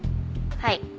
はい。